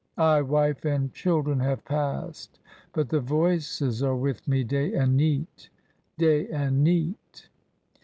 Ay ! wife and children have passed, but the voices are with me day and neet — day and neet."